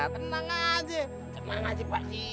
tenang aja tenang aja pak